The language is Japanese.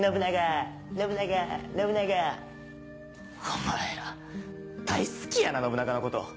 お前ら大好きやな信長のこと。